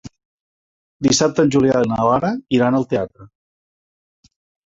Dissabte en Julià i na Lara iran al teatre.